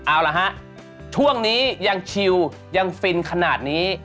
เอาละฮะช่วงนี้ยังชิวยังฟินขนาดนี้